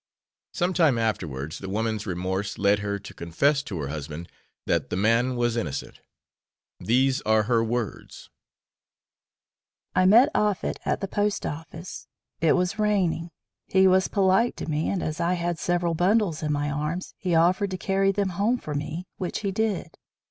Some time afterwards the woman's remorse led her to confess to her husband that the man was innocent. These are her words: I met Offett at the Post Office. It was raining. He was polite to me, and as I had several bundles in my arms he offered to carry them home for me, which he did.